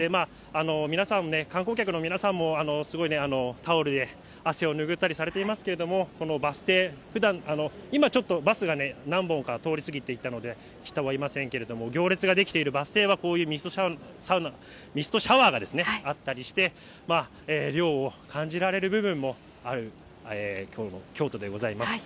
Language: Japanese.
皆さん、観光客の皆さんも、すごい、タオルで汗を拭ったりされていますけれども、このバス停、ふだん、今ちょっとバスが何本か通り過ぎていったので、人はおりませんけれども、行列が出来ていますバス停はこういうミストシャワーがあったりして、涼を感じられる部分もある、きょうの京都でございます。